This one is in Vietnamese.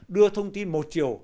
đưa thông tin một chiều